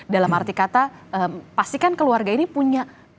dalam arti kata pastikan keluarga ini punya